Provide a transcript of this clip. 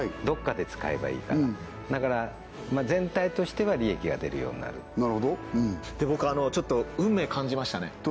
どっかで使えばいいからだから全体としては利益が出るようになる僕ちょっと運命感じましたね